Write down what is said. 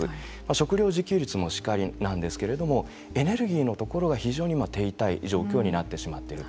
食糧自給率もしかりなんですけれどもエネルギーのところが非常に停滞状況になってしまっている。